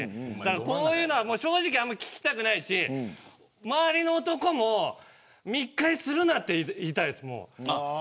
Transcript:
こういうのは正直あんまり聞きたくないし周りの男も密会するなと言いたいです。